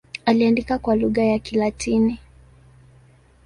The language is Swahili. Aliandika kwa lugha ya Kilatini.